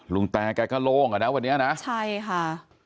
ลุงแต่แกก็โล่งวันนี้ละใช่ค่ะ